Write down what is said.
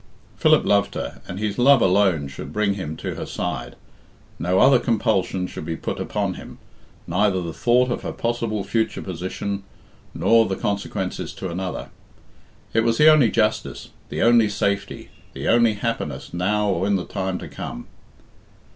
Philip loved her, and his love alone should bring him to her side. No other compulsion should be put upon him, neither the thought of her possible future position, nor of the consequences to another. It was the only justice, the only safety, the only happiness now or in the time to come.